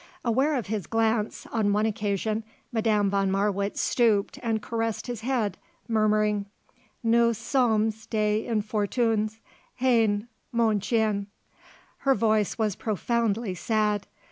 Aware of his glance, on one occasion, Madame von Marwitz stooped and caressed his head, murmuring: "Nous sommes des infortunés, hein, mon chien." Her voice was profoundly sad.